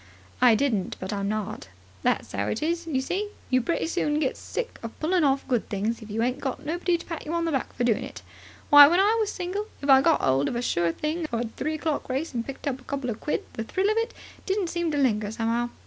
"I didn't. But I'm not." "That's 'ow it is, you see. You pretty soon gets sick of pulling off good things, if you ain't got nobody to pat you on the back for doing of it. Why, when I was single, if I got 'old of a sure thing for the three o'clock race and picked up a couple of quid, the thrill of it didn't seem to linger somehow.